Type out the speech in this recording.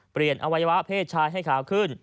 เปลี่ยนอวัยวะเพศชายให้ขาวขึ้น